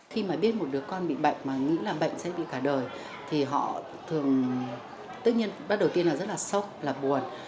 khi mà biết một đứa con bị bệnh mà nghĩ là bệnh sẽ bị cả đời thì họ thường tất nhiên bắt đầu tiên là rất là sốc là buồn